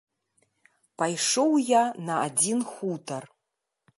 Пайшоў я на адзін хутар.